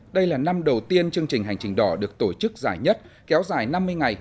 đây là năm đầu tiên chương trình hành trình đỏ được tổ chức dài nhất kéo dài năm mươi ngày